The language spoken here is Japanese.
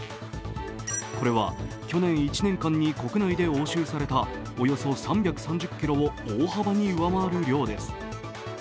これは去年１年間に国内で押収されたおよそ３３０ｋｇを大幅に上回る量です。